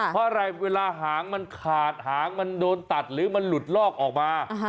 เพราะอะไรเวลาหางมันขาดหางมันโดนตัดหรือมันหลุดลอกออกมา